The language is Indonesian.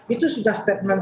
itu sudah statement